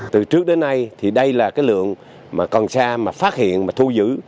từ trước đến nay đây là lượng cần sa mà phát hiện thu giữ